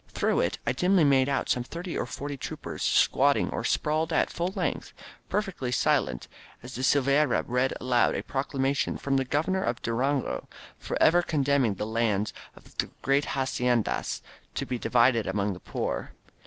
Through it I dimly made out some thirty or forty troopers squatting or sprawled at full length — ^per fectly silent as Silveyra read aloud a proclamation from the Governor of Durango forever condemning the lands of the great haciendas to be divided among the poor.